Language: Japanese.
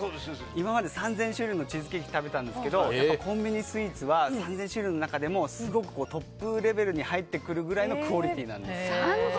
今まで３０００種類のチーズケーキを食べたんですけどやっぱりコンビニスイーツは３０００種類の中でも、すごくトップレベルに入ってくるくらいのクオリティーなんです。